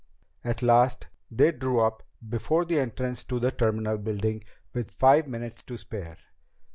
At last they drew up before the entrance to the terminal building with five minutes to spare.